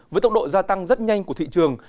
với tốc độ gia tăng rất nhanh của thị trường